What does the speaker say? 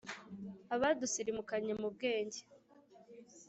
Abadusirimukanye mu bwenge,